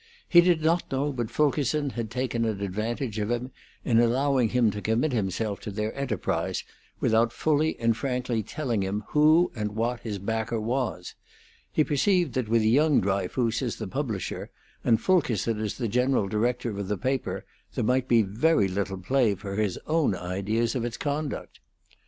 He did not know but Fulkerson had taken an advantage of him in allowing him to commit himself to their enterprise without fully and frankly telling him who and what his backer was; he perceived that with young Dryfoos as the publisher and Fulkerson as the general director of the paper there might be very little play for his own ideas of its conduct.